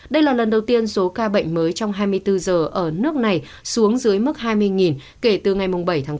đây là lần đầu tiên số ca bệnh mới trong hai mươi bốn giờ ở nước này xuống dưới mức hai mươi kể từ ngày bảy tháng bốn